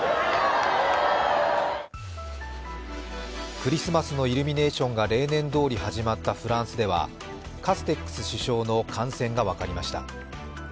クリスマスのイルミネーションが例年どおり始まったフランスでは、カステックス首相の感染が分かりました。